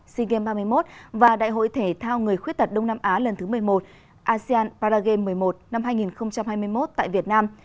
sea games ba mươi một và đại hội thể thao người khuyết tật đông nam á lần thứ một mươi một asean paragame một mươi một năm hai nghìn hai mươi một tại việt nam